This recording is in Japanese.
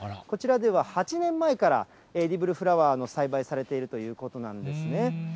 こちらでは８年前から、エディブルフラワーを栽培されているということなんですね。